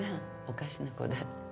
おかしな子で。